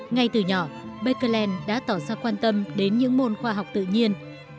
ngay từ nhỏ bạc kỳ lên đã tỏ ra quan tâm đến những môn khoa học tự nhiên